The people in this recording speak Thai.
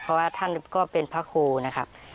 เพราะว่าท่านก็เป็นพระครูนะครับ